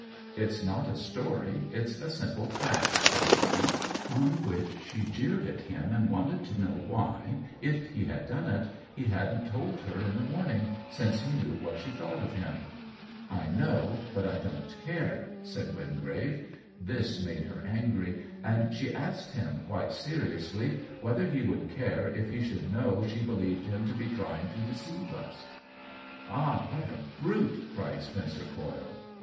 *It's not a story — it's a simple fact,' said he ; on which she jeered at him and wanted to know why, if he had done it, he hadn't told her in the morning, since he knew what she thought of him. * I know, but I don't care,' said Wingrave. This made her angry, and she asked him, quite seriously, whether he would care if he should know she believed him to be trying to deceive us." 2l6 OWEN WINGRAVE " Ah, what a brute !" cried Spencer Coyle.